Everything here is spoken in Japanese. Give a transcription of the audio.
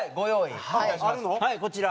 はいこちら。